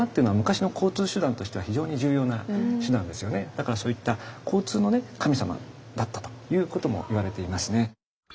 だからそういっただったということもいわれていますね。